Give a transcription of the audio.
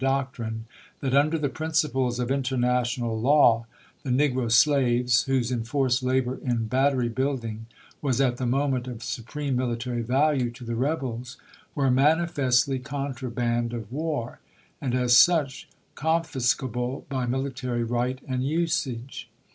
doctrine, that under the principles of international law the negro slaves, whose enforced labor in battery building was at the moment of supreme military value to the rebels, were manifestly con traband of war, and as such confiscable by mili tary right and usage.